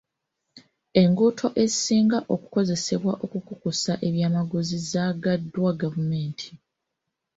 Enguudo ezisinga okukozesebwa okukukusa ebyamaguzi zaggaddwa gavumenti.